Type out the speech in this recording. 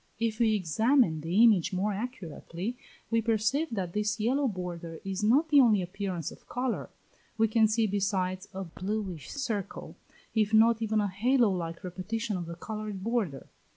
If we examine the image more accurately, we perceive that this yellow border is not the only appearance of colour; we can see, besides, a bluish circle, if not even a halo like repetition of the coloured border.